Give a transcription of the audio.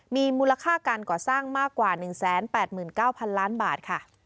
มีมูลค่าการก่อสร้างมากกว่า๑๘๙๐๐ล้านบาทค่ะ